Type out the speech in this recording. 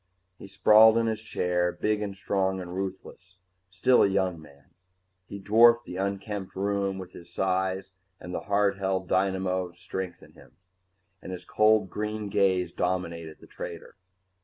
He sprawled in his chair, big and strong and ruthless, still a young man. He dwarfed the unkempt room with his size and the hard held dynamo strength in him, and his cold green gaze dominated the trader.